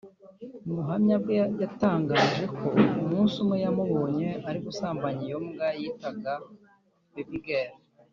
Mu buhamya bwe yatangaje ko umunsi umwe yamubonye ari gusambanya iyo mbwa yitaga Baby Girl